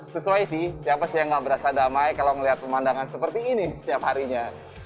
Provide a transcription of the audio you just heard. sesuai sih siapa sih yang gak berasa damai kalau melihat pemandangan seperti ini setiap harinya